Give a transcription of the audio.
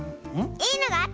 いいのがあった！